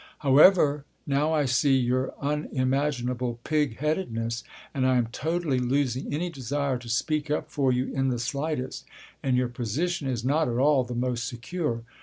However, now I see here your unimaginable pig headedness, and I am totally losing any desire to speak up for you in the slightest. And your position is not at all the most secure.